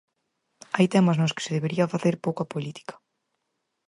Hai temas nos que se debería facer pouca política.